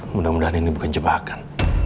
semoga ini bukan jebakan